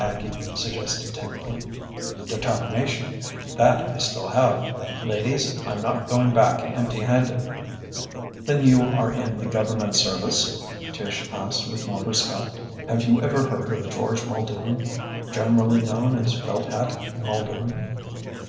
Aggie suggested timidly. "Determination. That I still have. Ladies, I'm not going back empty handed." "Then you are in the Government service?" Tish asked with more respect. "Have you ever heard of George Muldoon, generally known as Felt hat Muldoon?"